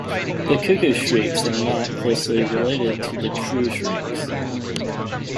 The cuckoo-shrikes are not closely related to the true shrikes.